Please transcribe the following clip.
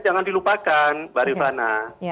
jangan dilupakan mbak rivana